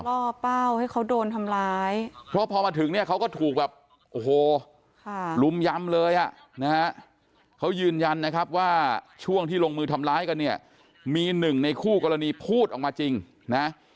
ล่อเป้าให้เขาโดนทำร้ายเพราะพอมาถึงเนี่ยเขาก็ถูกแบบโอ้โหลุมยำเลยอ่ะนะฮะเขายืนยันนะครับว่าช่วงที่ลงมือทำร้ายกันเนี่ยมีหนึ่งในคู่กรณีพูดออกมาจริงนะ